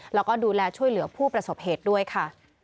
แล้วก็ดูแลช่วยเหลือผู้ประสบเหตุด้วยค่ะ